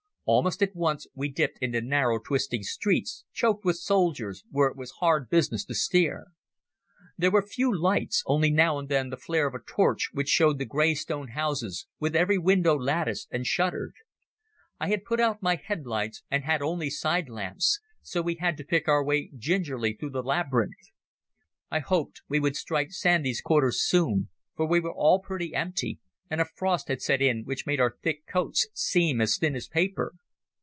Almost at once we dipped into narrow twisting streets, choked with soldiers, where it was hard business to steer. There were few lights—only now and then the flare of a torch which showed the grey stone houses, with every window latticed and shuttered. I had put out my headlights and had only side lamps, so we had to pick our way gingerly through the labyrinth. I hoped we would strike Sandy's quarters soon, for we were all pretty empty, and a frost had set in which made our thick coats seem as thin as paper.